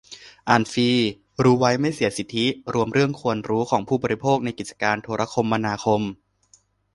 อ่านฟรี รู้ไว้ไม่เสียสิทธิ รวมเรื่องควรรู้ของผู้บริโภคในกิจการโทรคมนาคม